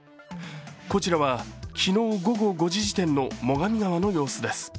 こちらは昨日午後５時時点の最上川の様子です。